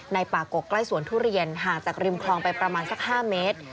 ป่ากกใกล้สวนทุเรียนห่างจากริมคลองไปประมาณสัก๕เมตร